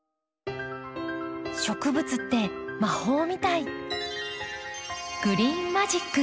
植物って魔法みたい。